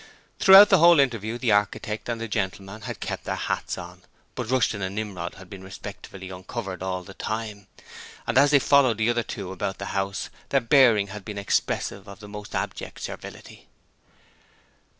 Throughout the whole interview the architect and the 'gentleman' had kept their hats on, but Rushton and Nimrod had been respectfully uncovered all the time, and as they followed the other two about the house their bearing had been expressive of the most abject servility.